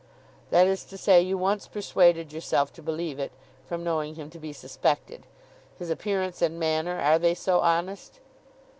'That is to say, you once persuaded yourself to believe it, from knowing him to be suspected. His appearance and manner; are they so honest?